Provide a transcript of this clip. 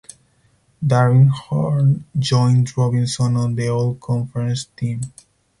Darrin Horn joined Robinson on the All Conference Team.